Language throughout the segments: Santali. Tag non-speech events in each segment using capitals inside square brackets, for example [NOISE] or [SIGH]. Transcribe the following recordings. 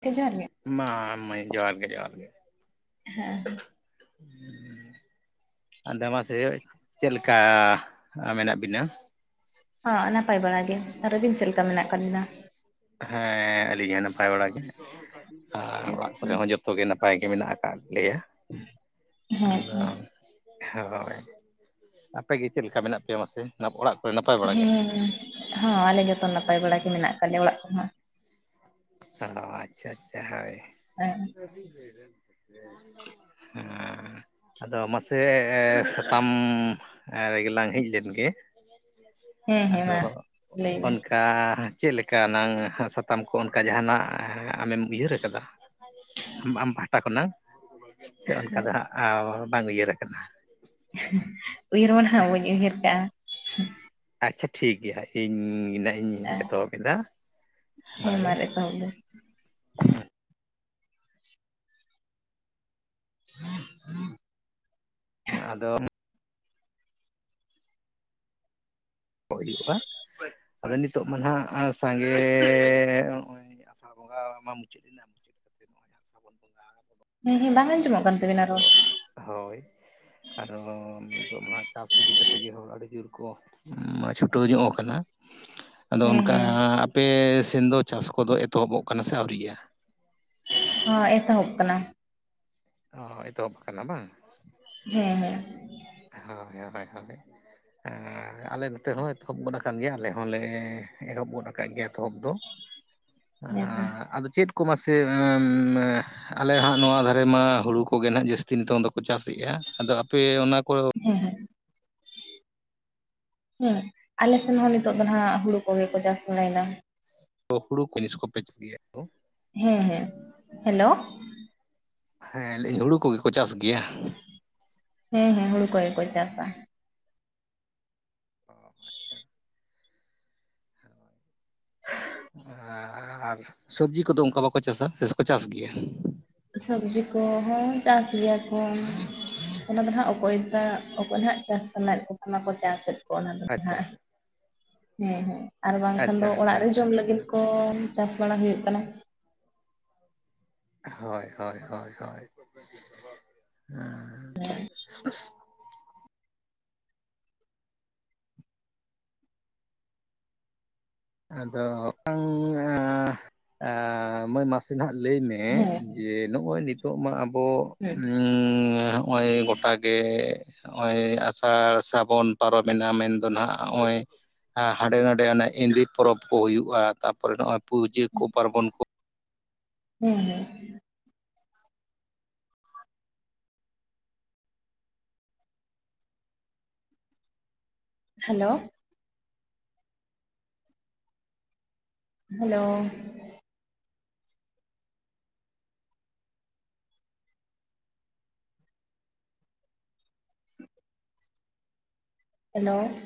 ᱠᱮ ᱡᱚᱦᱟᱨ ᱜᱮ᱾ ᱢᱟ ᱢᱟᱹᱭ ᱡᱚᱦᱟᱨ ᱜᱮ ᱡᱚᱦᱟᱨ ᱜᱮ᱾ ᱦᱮᱸ ᱟᱫᱚ ᱢᱟᱥᱮ ᱪᱮᱫ ᱞᱮᱠᱟ ᱢᱮᱱᱟᱜ ᱵᱤᱱᱟ? ᱦᱚ ᱱᱟᱯᱟᱭ ᱵᱟᱲᱟ ᱜᱮ, ᱟᱨ ᱟᱵᱤᱱ ᱪᱮᱫ ᱞᱮᱠᱟ ᱢᱮᱱᱟᱜ ᱠᱟᱫ ᱵᱤᱱᱟ? ᱦᱮᱸ ᱟᱹᱞᱤᱧ ᱦᱚᱸ ᱱᱟᱯᱟᱭ ᱵᱟᱲᱟ ᱜᱮ ᱟᱨ ᱚᱲᱟᱜ ᱠᱚᱨᱮ ᱦᱚᱸ ᱡᱚ ᱛᱚ ᱜᱮ ᱱᱟᱯᱟᱭ ᱜᱮ ᱢᱮᱱᱟᱜ ᱟᱠᱟᱫ ᱞᱮᱭᱟ ᱦᱮᱸ ᱟᱫᱚ ᱦᱳᱭ ᱟᱯᱮᱜᱮ ᱪᱮᱫ ᱞᱮᱠᱟ ᱢᱮᱱᱟᱜ ᱯᱮᱭᱟ ᱢᱟᱥᱮ? ᱚᱱᱟ ᱚᱲᱟᱜ ᱠᱚ ᱨᱮ ᱱᱟᱯᱟᱭ ᱵᱟᱲᱟ ᱜᱮ? ᱦᱮᱸ ᱦᱚ ᱟᱞᱮ ᱡᱚᱛᱚ ᱱᱟᱯᱟᱭ ᱵᱟᱲᱟ ᱜᱮ ᱢᱮᱱᱟᱜ ᱠᱟᱜ ᱞᱮᱭᱟ ᱚᱲᱟᱜ ᱠᱚᱦᱚᱸ᱾ ᱚ ᱟᱪᱪᱷᱟ ᱟᱪᱪᱷᱟ ᱦᱳᱭ᱾ ᱦᱮᱸ᱾ ᱦᱮᱸ᱾ ᱟᱫᱚ ᱢᱟᱥᱮ ᱮ ᱥᱟᱛᱟᱢ ᱨᱮ ᱜᱮ ᱞᱟᱝ ᱦᱮᱡ ᱞᱮᱱ ᱜᱮ ᱦᱮᱸ ᱦᱮᱸ ᱟᱫᱚ ᱢᱟ ᱞᱟᱹᱭ ᱵᱮᱱ ᱚᱱᱠᱟ ᱪᱮᱫ ᱞᱮᱠᱟ ᱱᱟᱝ ᱥᱟᱛᱟᱢ ᱠᱚ ᱠᱟ ᱡᱟᱦᱟᱸᱱᱟᱜ ᱟᱢᱮᱢ ᱩᱭᱦᱟᱹᱨ ᱠᱟᱫᱟ ᱟᱢ ᱯᱟᱦᱴᱟ ᱠᱷᱚᱱᱟᱝ? ᱥᱮ ᱚᱱᱠᱟ ᱫᱚ ᱟᱪᱪᱷᱟ ᱦᱟᱸᱜ ᱮᱸ ᱵᱟᱝ ᱩᱭᱦᱟᱹᱨ ᱠᱟᱱᱟ ᱾ ᱩᱭᱦᱟᱹᱨ ᱵᱷᱟᱵᱱᱟ ᱦᱚ ᱵᱟᱹᱧ ᱩᱭᱦᱟᱹᱨ ᱠᱟᱜ-ᱟ ᱾ ᱟᱪᱪᱷᱟ ᱴᱷᱤᱠ ᱜᱮᱭᱟ ᱤᱧ ᱱᱟᱜ ᱤᱧ ᱮᱛᱚᱦᱚᱵ ᱮᱫᱟ ᱦᱳᱭ ᱾ ᱦᱳᱭ ᱦᱳᱭ ᱾ [INAUDIBLE] ᱟᱫᱚ ᱠᱚ ᱦᱩᱭᱩᱜᱼᱟ ᱟᱫᱚ ᱱᱤᱛᱚᱜ ᱢᱟ ᱱᱟᱦᱟᱜ ᱥᱟᱸᱜᱮᱻ ᱟᱥᱟᱲ ᱵᱚᱸᱜᱟ ᱢᱟ ᱢᱩᱪᱟᱹᱫ ᱮᱱᱟ ᱾ [UNINTELLIGIBLE] ᱦᱮᱸ ᱦᱮᱸ ᱵᱟᱝ ᱟᱸᱡᱚᱢᱚᱜ ᱠᱟᱱ ᱛᱟᱹᱵᱤᱱᱟ ᱨᱚᱲ ᱟᱫᱚ ᱾ ᱦᱳᱭ ᱟᱨᱚ ᱱᱤᱛᱚᱜ ᱢᱟ ᱦᱟᱜ ᱪᱟᱥ ᱤᱫᱤ ᱠᱟᱛᱮᱫ ᱜᱮ ᱦᱚᱲ ᱟᱹᱰᱤ ᱡᱳᱨ ᱠᱚ ᱪᱷᱩᱴᱟᱹᱣ ᱧᱚᱜ ᱟᱠᱟᱱᱟ ᱾ ᱟᱫᱚ ᱦᱮᱸ ᱚᱱᱠᱟ ᱦᱮᱸ ᱟᱯᱮ ᱥᱮᱱ ᱫᱚ ᱪᱟᱥ ᱠᱚᱫᱚ ᱮᱛᱚᱦᱚᱵᱚᱜ ᱠᱟᱱᱟ ᱥᱮ ᱟᱹᱣᱨᱤᱭᱟᱜ-ᱟ? [INAUDIBLE] ᱦᱚ ᱮᱛᱚᱦᱚᱵ ᱠᱟᱱᱟ ᱾ ᱚ ᱮᱛᱚᱦᱚᱵ ᱟᱠᱟᱱᱟ ᱵᱟᱝ? ᱦᱮᱸ ᱦᱮᱸ ᱾ ᱦᱳᱭ ᱦᱳᱭ ᱦᱳᱭ ᱾ ᱦᱮᱸ ᱟᱞᱮ ᱱᱚᱛᱮ ᱦᱚᱸ ᱮᱛᱚᱦᱚᱵ ᱜᱚᱫ ᱟᱠᱟᱱ ᱜᱮᱭᱟ ᱟᱞᱮ ᱦᱚᱸᱞᱮ ᱮᱦᱚᱵ ᱜᱚᱫ ᱟᱠᱟᱫ ᱜᱮᱭᱟ ᱮᱛᱚᱦᱚᱵ ᱫᱚ ᱾ ᱦᱮᱸᱛᱚ ᱦᱟᱸᱻ ᱟᱫᱚ ᱪᱮᱫ ᱠᱚ ᱢᱟᱥᱮ ᱮᱸᱻᱢ ᱟᱞᱮ ᱦᱟᱸᱜ ᱱᱚᱣᱟ ᱫᱷᱟᱨᱮ ᱢᱟ ᱦᱩᱲᱩ ᱠᱚᱜᱮ ᱱᱟᱦᱟᱜ ᱡᱟᱹᱥᱛᱤ ᱱᱤᱛᱚᱝ ᱫᱚᱠᱚ ᱪᱟᱥ ᱮᱫᱼᱟ ᱟᱫᱚ ᱟᱯᱮ ᱚᱱᱟ ᱠᱚ ᱦᱮᱸ ᱦᱮᱸ ᱾ ᱦᱮᱸ ᱟᱞᱮ ᱥᱮᱱ ᱦᱚᱸ ᱱᱤᱛᱚᱜ ᱫᱚ ᱱᱟᱜ ᱦᱩᱲᱩ ᱠᱚᱜᱮ ᱠᱚ ᱪᱟᱥ ᱵᱟᱲᱟᱭ ᱮᱫᱟ ᱾ [UNINTELLIGIBLE] ᱦᱮᱸ ᱦᱮᱸ, ᱦᱮᱞᱳ ᱾ ᱦᱮᱸ ᱞᱟᱹᱭ ᱟᱹᱧ ᱦᱩᱲᱩ ᱠᱚ ᱜᱮ ᱠᱚ ᱪᱟᱥ ᱜᱮᱭᱟ? ᱦᱮᱸ ᱦᱮᱸ ᱦᱩᱲᱩ ᱠᱚ ᱜᱮ ᱠᱚ ᱪᱟᱥᱟ ᱾ ᱟᱪᱪᱷᱟ ᱾ [INAUDIBLE] ᱟᱨ ᱥᱚᱵᱽᱡᱤ ᱠᱚᱫᱚ ᱚᱱᱠᱟ ᱵᱟᱠᱚ ᱪᱟᱥᱟ ᱥᱮ ᱠᱚ ᱪᱟᱥ ᱜᱮᱭᱟ? ᱥᱚᱵᱽᱡᱤ ᱠᱚᱦᱚᱸ ᱪᱟᱥ ᱜᱮᱭᱟ ᱠᱚ ᱾ ᱚᱱᱟ ᱫᱚ ᱱᱟᱦᱜ ᱚᱠᱚᱭ ᱚᱠᱚᱭ ᱱᱟᱦᱟᱜ ᱪᱟᱥ ᱥᱟᱱᱟᱭ ᱮᱫ ᱠᱚ ᱠᱷᱟᱱ ᱢᱟᱠᱚ ᱪᱟᱥ ᱮᱫ ᱾ ᱚᱱᱟ ᱫᱚ ᱟᱪᱪᱷᱟ ᱱᱟᱦᱜ, ᱟᱪᱪᱷᱟ ᱦᱮᱸ ᱦᱮᱸ ᱟᱨ ᱵᱟᱝ ᱠᱷᱟᱱ ᱟᱪᱪᱷᱟ ᱫᱚ ᱟᱪᱪᱷᱟ ᱚᱲᱟᱜ ᱨᱮ ᱟᱪᱪᱷᱟ ᱡᱚᱢ ᱟᱪᱪᱷᱟ ᱞᱟᱹᱜᱤᱫ ᱠᱚ ᱪᱟᱥ ᱵᱟᱲᱟ ᱦᱩᱭᱩᱜ ᱠᱟᱱᱟ ᱾ ᱦᱚᱭ ᱦᱚᱭ ᱦᱚᱭ ᱦᱚᱭ, ᱟᱸᱻ ᱾ ᱟᱫᱚ ᱢᱤᱫᱴᱟᱝ ᱟᱸ ᱢᱟᱹᱭ ᱢᱟᱥᱮ ᱟᱜ ᱞᱟᱹᱭ ᱢᱮ ᱦᱮᱸ ᱡᱮ ᱱᱚᱜᱼᱚᱭ ᱱᱤᱛᱚᱜ ᱢᱟ ᱟᱵᱚ ᱦᱮᱸ ᱩᱸ ᱦᱚᱜᱼᱚᱭ ᱜᱚᱴᱟ ᱜᱮ ᱱᱚᱜᱼᱚᱭ ᱟᱥᱟᱲ ᱥᱟᱵᱚᱱ ᱯᱟᱨᱚᱵᱮᱱᱟ ᱢᱮᱱ ᱫᱚ ᱱᱟᱦᱟᱸᱜ ᱱᱚᱜᱼᱚᱭ ᱦᱟᱸᱰᱮ ᱱᱟᱰᱮ ᱚᱱᱮ ᱮᱸᱫᱤ ᱯᱚᱨᱚᱵᱽ ᱠᱚ ᱦᱩᱭᱩᱜᱼᱟ, ᱛᱟᱨᱯᱚᱨᱮ ᱱᱚᱜᱼᱚᱭ ᱯᱩᱡᱟᱹ ᱠᱚ ᱯᱟᱨᱵᱚᱱ ᱠᱚ ᱦᱩᱸ ᱦᱩᱸ ᱾ ᱦᱮᱞᱳ ᱾ ᱦᱮᱞᱳ ᱾ ᱦᱮᱞᱳ ᱾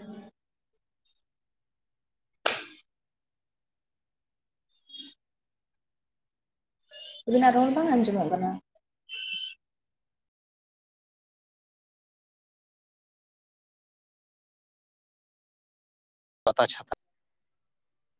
ᱟᱵᱤᱱᱟᱜ ᱨᱚᱲ ᱵᱟᱝ ᱟᱸᱡᱚᱢᱚᱜ ᱠᱟᱱᱟ ᱾ ᱯᱟᱛᱟ ᱪᱷᱟᱛᱟ